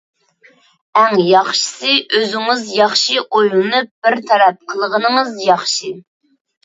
ئەڭ ياخشىسى، ئۆزىڭىز ياخشى ئويلىنىپ بىر تەرەپ قىلغىنىڭىز ياخشى.